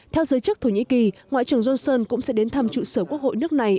theo giới chức thổ nhĩ kỳ ngoại trưởng johnson cũng sẽ đến thăm trụ sở quốc hội nước này